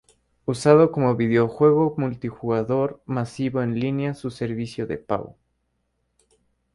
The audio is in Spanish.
Usado como videojuego multijugador masivo en línea su servicio de pago.